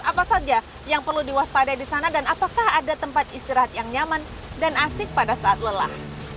apa saja yang perlu diwaspadai di sana dan apakah ada tempat istirahat yang nyaman dan asik pada saat lelah